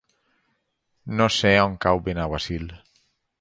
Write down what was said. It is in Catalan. No sé on cau Benaguasil.